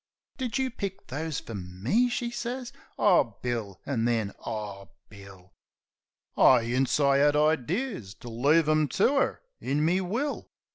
"Did you pick those fer me" she sez. "Oh, Bill!" 'an then, "Oh, Bill!" I 'ints I 'ad idears to leave 'em to 'er in me will.